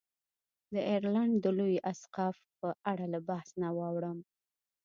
د ایرلنډ د لوی اسقف په اړه له بحث نه واوړم.